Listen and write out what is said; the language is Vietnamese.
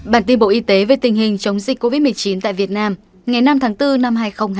bản tin bộ y tế về tình hình chống dịch covid một mươi chín tại việt nam ngày năm tháng bốn năm hai nghìn hai mươi